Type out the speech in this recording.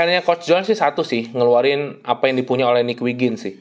ya pr nya coach jones sih satu sih ngeluarin apa yang dipunya oleh nick wiggin sih